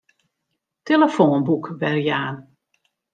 Tillefoanboek werjaan.